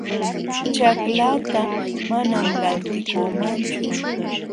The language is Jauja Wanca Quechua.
Ćhaklaata manam lantikuumanchu